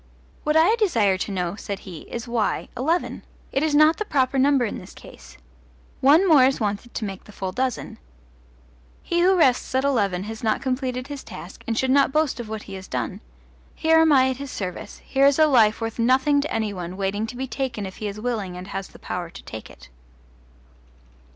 What I desire to know, said he, is, why eleven? It is not the proper number in this case. One more is wanted to make the full dozen. He who rests at eleven has not completed his task and should not boast of what he has done. Here am I at his service: here is a life worth nothing to any one waiting to be taken if he is willing and has the power to take it.